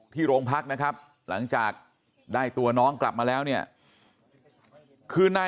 โรงพักนะครับหลังจากได้ตัวน้องกลับมาแล้วเนี่ยคือนาย